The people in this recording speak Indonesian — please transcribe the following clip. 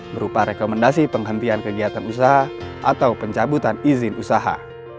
berupa rekomendasi penghentian kegiatan usaha atau pencabutan izin usaha